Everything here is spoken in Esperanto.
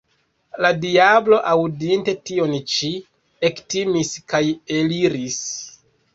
La diablo, aŭdinte tion ĉi, ektimis kaj eliris.